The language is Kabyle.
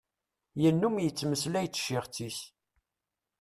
Yennum yettmeslay d tcixet-is.